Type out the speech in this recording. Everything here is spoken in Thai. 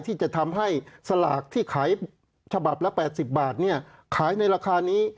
ที่จะทำให้สลากที่ขายฉบับละ๘๐บาทขายในราคานี้